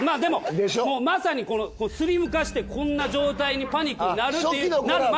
まさにスリム化してこんな状態にパニックになるっていうなる前。